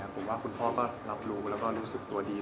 ผมว่าคุณพ่อก็รับรู้แล้วก็รู้สึกตัวดี